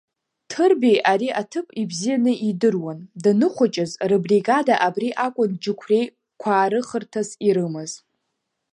Ҭырбеи ари аҭыԥ ибзианы идыруан, даныхәыҷыз рыбригада абри акәын џьықәреи қәаарыхырҭас ирымаз.